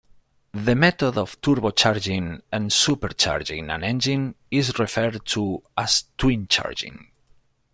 The method of turbocharging and supercharging an engine is referred to as twincharging.